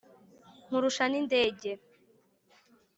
Nkurusha n'indege,